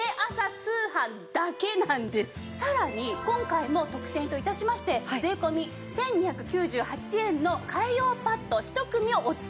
さらに今回も特典と致しまして税込１２９８円の替え用パッド１組をお付け致します。